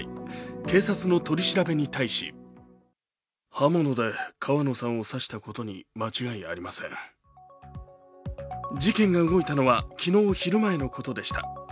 警察の取り調べに対し事件が動いたのは昨日、昼前のことでした。